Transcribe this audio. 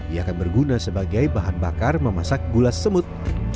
ia akan berguna sebagai bahan bakar memasak gula semut